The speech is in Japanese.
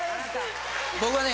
僕はね